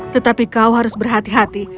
tetapi kau harus berhati hati